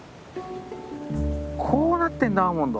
こうなってんだアーモンド。